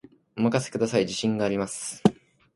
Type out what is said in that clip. お任せください、自信があります